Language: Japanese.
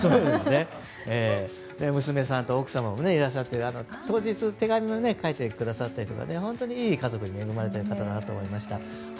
娘さんと奥様もいらっしゃって当日、手紙も書いてくださって本当にいい家族に恵まれている方と思いました。